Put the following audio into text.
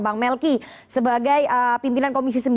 bang melki sebagai pimpinan komisi sembilan